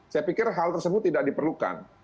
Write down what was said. saya pikir hal tersebut tidak diperlukan